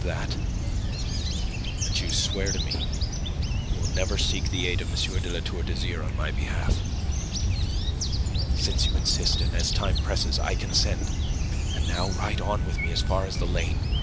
"That you swear to me you will never seek the aid of M. de La Tour d'Azyr on my behalf." "Since you insist, and as time presses, I consent. And now ride on with me as far as the lane.